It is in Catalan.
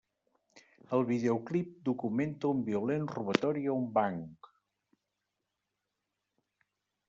El videoclip documenta un violent robatori a un banc.